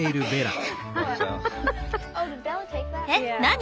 えっ何？